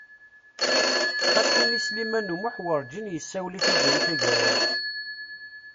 Xas ini Sliman U Muḥ wurǧin yessawel i Tiziri Tagawawt.